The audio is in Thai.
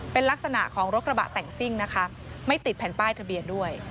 เป็นลักษณะของรถกระบะแต่งซิ่งนะคะไม่ติดแผ่นป้ายทะเบียนด้วย